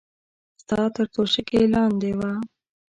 ستا تر توشکې لاندې وه.